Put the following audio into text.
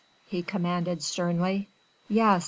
he commanded sternly. "Yes!"